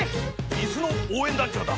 イスのおうえんだんちょうだ！